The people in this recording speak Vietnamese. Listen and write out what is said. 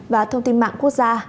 và thông tin mạng quốc gia